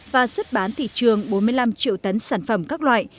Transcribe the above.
và xuất bán thị trường bốn mươi năm triệu tấn sản phẩm các loại